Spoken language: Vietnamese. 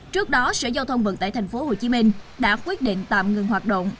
trước đó sở giao thông vận tải tp hcm đã quyết định tạm ngừng hoạt động